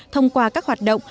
thông qua các hoạt động